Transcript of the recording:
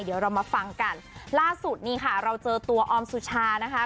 เดี๋ยวเรามาฟังกันล่าสุดนี่ค่ะเราเจอตัวออมสุชานะคะ